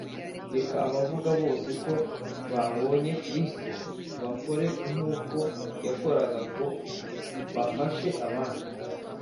. Reka abavuga bose ko babonye Kristo, bakore nk’uko yakoraga ngo bafashe abandi.